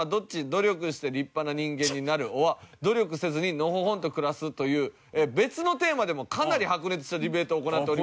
努力して立派な人間になるｏｒ努力せずにのほほんと暮らすという別のテーマでもかなり白熱したディベートを行っておりまして。